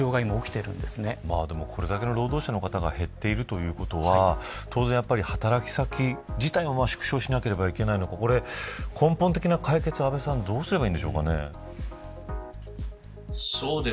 これだけの労働者の方が減っているということは当然、働き先自体も縮小しなければいけないのか根本的な解決はどうすればいいんでしょうか。